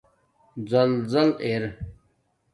زَزل اِر